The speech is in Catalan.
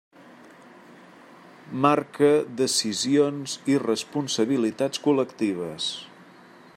Marca decisions i responsabilitats col·lectives.